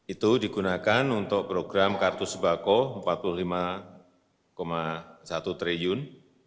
itu digunakan untuk program kartu sembako rp empat puluh lima satu triliun